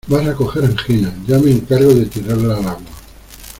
vas a coger anginas, ya me encargo de tirarla al agua.